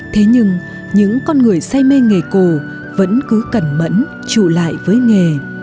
thế nhưng những con người say mê nghề cổ vẫn cứ cẩn mẫn trụ lại với nghề